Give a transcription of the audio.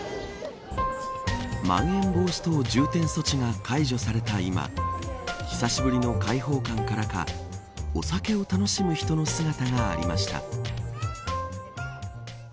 まん延防止等重点措置が解除された今久しぶりの開放感からかお酒を楽しむ人の姿がありました。